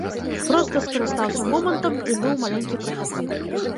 Проста скарыстаўся момантам, дзе быў маленькі прахадны.